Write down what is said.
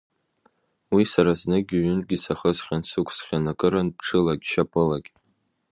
Уи сара зныкгьы, ҩынтәгьы сахысхьан, сықәсхьан акырынтә ҽылагь, шьапылагь.